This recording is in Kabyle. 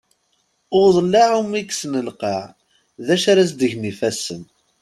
I uḍellaε umi yekkes lqaε, d acu ara s-d-gen yifassen?